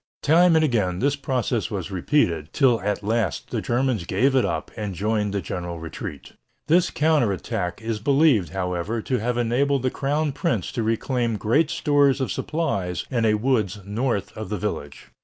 Time and again this process was repeated, till at last the Germans gave it up and joined the general retreat. This counter attack is believed, however, to have enabled the crown prince to reclaim great stores of supplies in a woods north of the village.